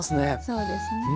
そうですね。